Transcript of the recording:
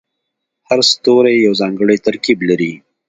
هر ستوری یو ځانګړی ترکیب لري.